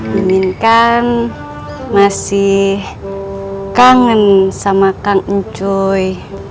miminkan masih kangen sama kangen cuy